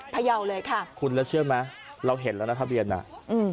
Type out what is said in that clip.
พยาวเลยค่ะคุณแล้วเชื่อไหมเราเห็นแล้วนะทะเบียนน่ะอืม